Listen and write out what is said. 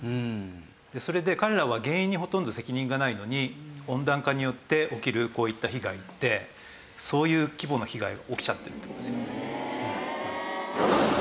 それで彼らは原因にほとんど責任がないのに温暖化によって起きるこういった被害ってそういう規模の被害が起きちゃってるって事ですよ。